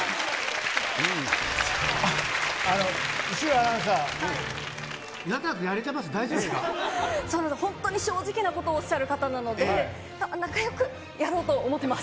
後呂アナウンサー、仲よくや本当に正直なことをおっしゃる方なので、仲よくやろうと思ってます。